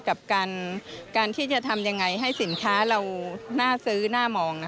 กับการที่จะทำยังไงให้สินค้าเราน่าซื้อน่ามอง